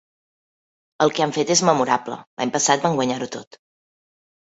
El que han fet és memorable; l'any passat van guanyar-ho tot.